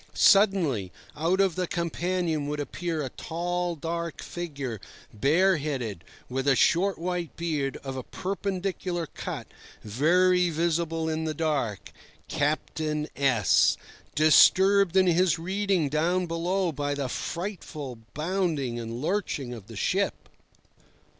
Suddenly, out of the companion would appear a tall, dark figure, bareheaded, with a short white beard of a perpendicular cut, very visible in the dark—Captain S—, disturbed in his reading down below by the frightful bounding and lurching of the ship.